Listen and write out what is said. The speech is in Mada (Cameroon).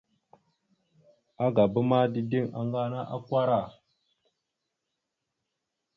Agaba ma, dideŋ aŋga ana akwara.